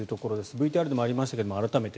ＶＴＲでもありましたが改めて。